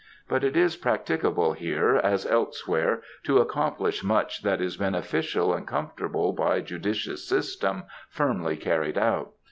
But it is practicable here, as elsewhere, to accomplish much that is beneficial and comfortable by judicious system firmly carried out.